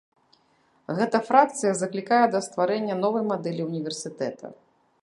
Гэта фракцыя заклікае да стварэння новай мадэлі універсітэта.